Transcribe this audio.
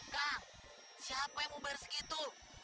kang siapa yang mau bayar segitu